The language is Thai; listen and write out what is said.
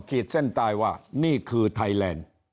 ขีดเส้นใต้ว่านี่คือไทยแลนด์